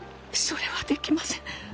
それはできません。